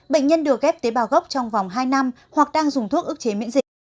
bệnh nhân được ghép tế bào gốc trong vòng hai năm hoặc đang dùng thuốc ức chế miễn dịch